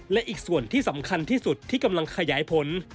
และอีกส่วนที่สำคัญที่สุดที่กำลังขยายผล